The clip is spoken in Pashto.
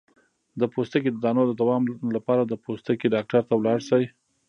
د پوستکي د دانو د دوام لپاره د پوستکي ډاکټر ته لاړ شئ